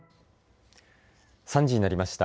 ３時になりました。